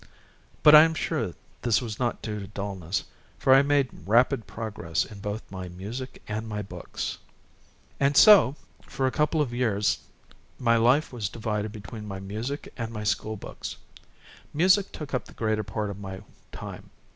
But I am sure this was not due to dullness, for I made rapid progress in both my music and my books. And so for a couple of years my life was divided between my music and my school books. Music took up the greater part of my time.